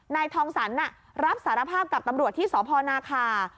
นายทองสรรรับสารภาพกับตำรวจที่สพนาคา